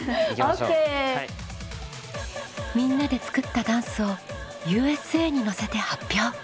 みんなで作ったダンスを「Ｕ．Ｓ．Ａ．」にのせて発表！